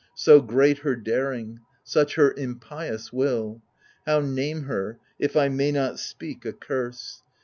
So great her daring, such her impious will. How name her, if I may not speak a curse